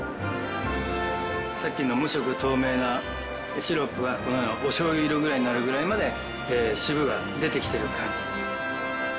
さっきの無色透明なシロップがこのようなおしょうゆ色ぐらいになるぐらいまで渋が出てきている感じです。